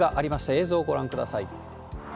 映像ご覧ください。